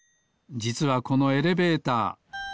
じつはこのエレベーター。